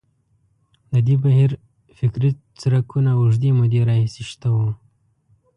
د دې بهیر فکري څرکونه اوږدې مودې راهیسې شته وو.